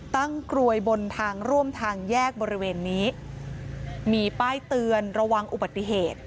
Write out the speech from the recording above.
กลวยบนทางร่วมทางแยกบริเวณนี้มีป้ายเตือนระวังอุบัติเหตุ